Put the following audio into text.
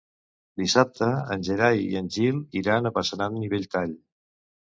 Dissabte en Gerai i en Gil iran a Passanant i Belltall.